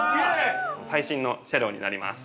最新の車両になります。